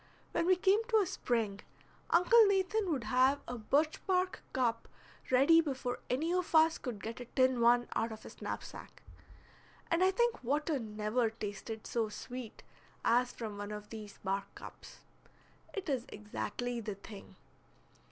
When we came to a spring, Uncle Nathan would have a birch bark cup ready before any of us could get a tin one out of his knapsack, and I think water never tasted so sweet as from one of these bark cups. It is exactly the thing.